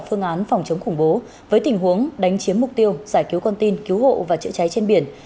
phương án phòng chống khủng bố với tình huống đánh chiếm mục tiêu giải cứu con tin cứu hộ và chữa cháy trên biển